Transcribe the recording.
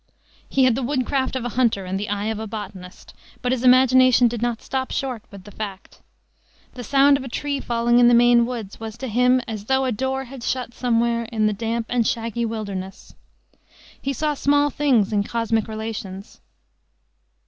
He had the woodcraft of a hunter and the eye of a botanist, but his imagination did not stop short with the fact. The sound of a tree falling in the Maine woods was to him "as though a door had shut somewhere in the damp and shaggy wilderness." He saw small things in cosmic relations.